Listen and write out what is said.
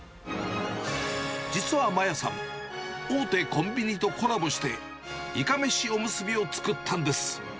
実は麻椰さん、大手コンビニとコラボして、いかめしおむすびを作ったんです。